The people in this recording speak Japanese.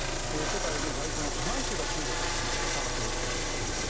世界の在庫の過半数が中国に備蓄されているということです。